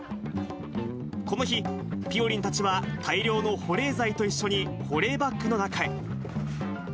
この日、ぴよりんたちは大量の保冷剤と一緒に、保冷バッグの中へ。